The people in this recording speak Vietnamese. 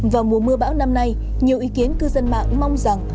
vào mùa mưa bão năm nay nhiều ý kiến cư dân mạng mong rằng